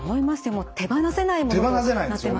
もう手放せない物になってますよね。